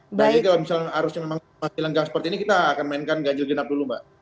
apalagi kalau misalnya arusnya memang masih lenggang seperti ini kita akan mainkan ganjil genap dulu mbak